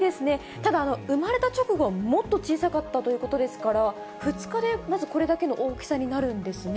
ただ、産まれた直後はもっと小さかったということですから、２日でまずこれだけの大きさになるんですね。